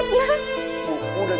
bu udah deh bu